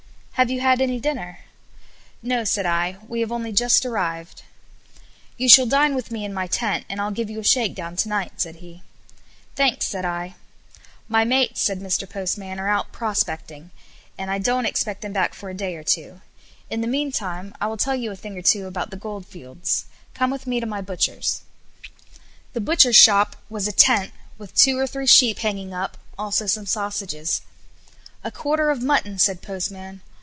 "Have you had any dinner?" "No," said I, "we have only just arrived. "You shall dine with me in my tent, and I'll give you a shakedown to night," said he. "Thanks," said I. "My mates," said Postman, "are out prospecting, and I don't, expect them back for a day or two. In the meantime I will tell you a thing or two about the goldfields. Come with me to my butcher's." The butcher's shop was a tent, with two or three sheep hanging up, also some sausages. "A quarter of mutton," said Postman.